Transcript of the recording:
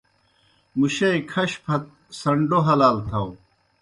مُشئی کھش پھت سنڈوْ حلال تھاؤ۔